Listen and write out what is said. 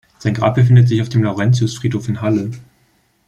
Sein Grab befindet sich auf dem Laurentius-Friedhof in Halle.